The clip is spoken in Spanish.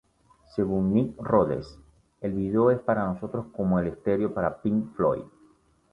Según Nick Rhodes, "el video es para nosotros como el stereo para Pink Floyd".